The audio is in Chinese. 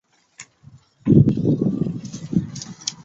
万历二年甲戌科第三甲第二百一十五名进士。